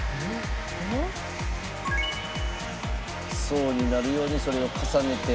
層になるようにそれを重ねて。